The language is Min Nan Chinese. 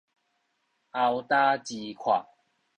喉焦舌渴